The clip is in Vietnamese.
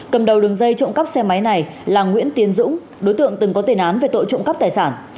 cầm đầu đường dây trộm cắp xe máy này là nguyễn tiến dũng đối tượng từng có tên án về tội trộm cắp tài sản